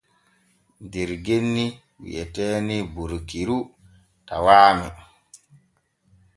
Der genni wi'eteeni Borikiru tawaami.